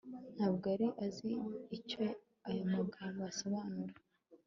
ntabwo yari azi icyo aya magambo asobanura